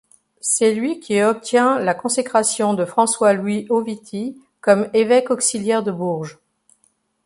C'est lui qui obtient la consécration de François-Louis Auvity comme évêque auxiliaire de Bourges.